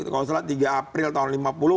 kalau salah tiga april tahun lima puluh